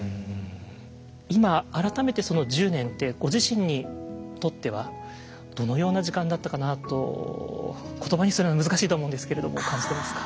今改めてその１０年ってご自身にとってはどのような時間だったかなと言葉にするのは難しいと思うんですけれども感じてますか？